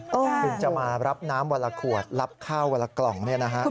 ถึงจะมารับน้ำวันละขวดรับข้าววันละกล่อง